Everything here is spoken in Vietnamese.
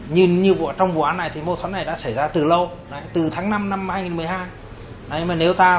nhìn như trong vụ án này thì mâu thuẫn này là